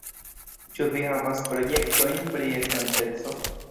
Ĉu vi havas projektojn pri estonteco?